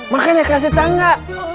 makanya kasih tangga